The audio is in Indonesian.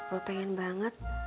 roh pengen banget